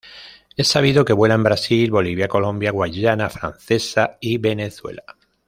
Es sabido que vuela en Brasil, Bolivia, Colombia, Guayana Francesa y Venezuela.